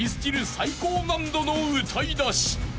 最高難度の歌いだし］